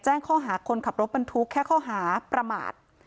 แจ้งข้อหาคนขับรถบรรทุกแค่ข้อหาประมาท